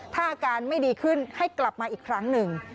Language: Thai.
ถ้าอาการไม่ดีขึ้นให้กลับมาอีกครั้งหนึ่ง